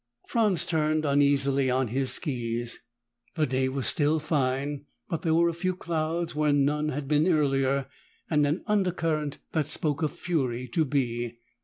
Franz turned uneasily on his skis. The day was still fine, but there were a few clouds where none had been earlier and an undercurrent that spoke of fury to be.